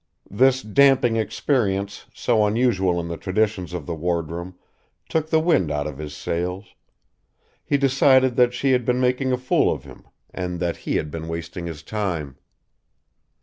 This damping experience, so unusual in the traditions of the wardroom, took the wind out of his sails. He decided that she had been making a fool of him and that he had been wasting his time.